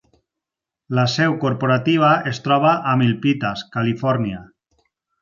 La seu corporativa es troba a Milpitas, Califòrnia.